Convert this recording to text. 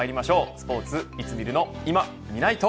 スポーツいつ見るのいまみないと。